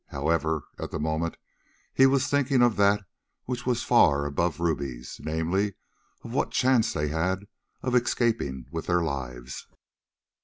However, at the moment he was thinking of that which was far above rubies, namely, of what chance they had of escaping with their lives.